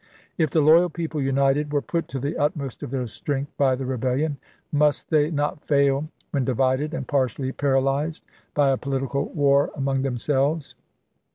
If the loyal people united were put to the utmost of their strength by the rebel lion, must they not fail when divided and partially paralyzed by a political war among themselves